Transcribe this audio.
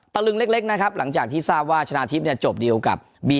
ลึงเล็กนะครับหลังจากที่ทราบว่าชนะทิพย์เนี่ยจบดีลกับบี